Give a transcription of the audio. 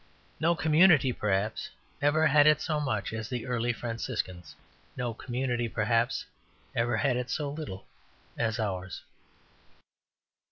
No community, perhaps, ever had it so much as the early Franciscans. No community, perhaps, ever had it so little as ours.